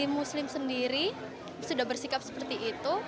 muslim sendiri sudah bersikap seperti itu